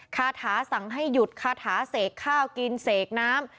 คาถาสั่งให้หยุดคาถาเสกข้าวกินเสกน้ำ